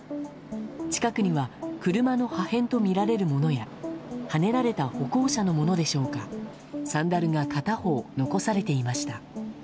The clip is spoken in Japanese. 近くには車の破片とみられるものやはねられた歩行者のものでしょうかサンダルが片方残されていました。